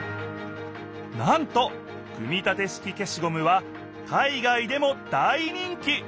なんと組み立て式消しゴムは海外でも大人気！